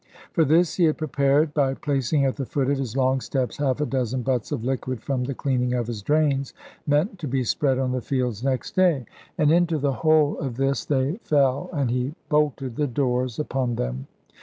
For this he had prepared, by placing at the foot of his long steps half a dozen butts of liquid from the cleaning of his drains, meant to be spread on the fields next day. And into the whole of this they fell, and he bolted the doors upon them.